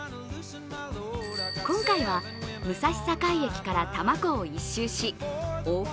今回は武蔵境駅から多摩湖を１周し往復